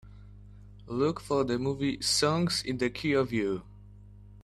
Look for the movie Songs in the Key of You